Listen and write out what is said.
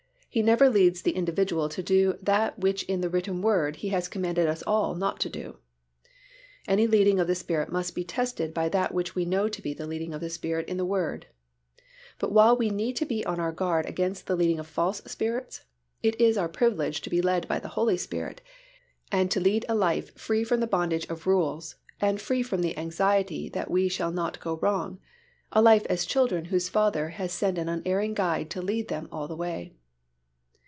He never leads the individual to do that which in the written Word He has commanded us all not to do. Any leading of the Spirit must be tested by that which we know to be the leading of the Spirit in the Word. But while we need to be on our guard against the leading of false spirits, it is our privilege to be led by the Holy Spirit, and to lead a life free from the bondage of rules and free from the anxiety that we shall not go wrong, a life as children whose Father has sent an unerring Guide to lead them all the way.